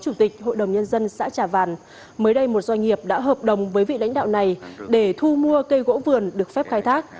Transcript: chủ tịch hội đồng nhân dân xã trà vàn mới đây một doanh nghiệp đã hợp đồng với vị lãnh đạo này để thu mua cây gỗ vườn được phép khai thác